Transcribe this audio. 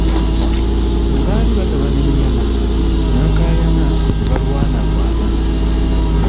Bwe baali bagabana ennyama ne bakaayana ne balwanalwana.